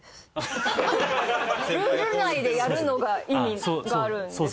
ルール内でやるのが意味があるんですよね。